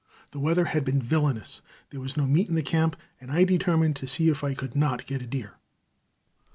The weather had been villainous; there was no meat in the camp, and I determined to see if I could not get a deer.